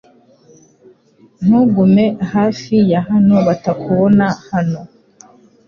Ntugume hafi ya hano batakubona hano .